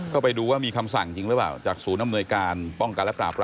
ก็ไปดูว่ามีคำสั่งจริงหรือเปล่า